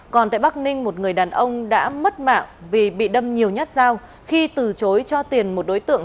còn tại bắc ninh một người đàn ông đã mất mạng vì bị đâm nhiều nhát dao khi từ chối cho tiền một đối tượng